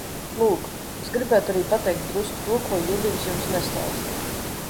Lūk, es gribētu arī pateikt drusku to, ko Judins jums nestāsta.